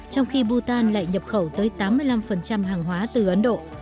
trong khi bhutan lại nhập khẩu tới tám mươi năm hàng hóa từ ấn độ